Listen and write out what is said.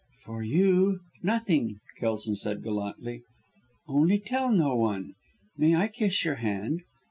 "For you nothing," Kelson said gallantly. "Only tell no one. May I kiss your hand."